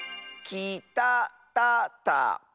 きたたたか？